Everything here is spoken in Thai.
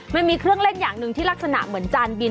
มันมีเครื่องเล่นอย่างหนึ่งที่ลักษณะเหมือนจานบิน